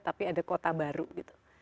tapi ada kota baru gitu